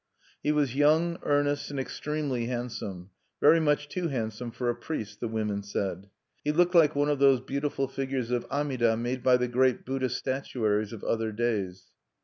He was young, earnest, and extremely handsome very much too handsome for a priest, the women said. He looked like one of those beautiful figures of Amida made by the great Buddhist statuaries of other days.